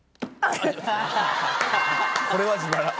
これは自腹。